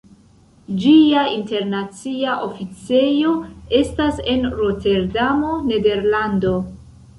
Ĝia internacia oficejo estas en Roterdamo, Nederlando.